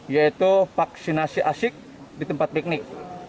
yaitu vaksinasi asyik di tempat piknik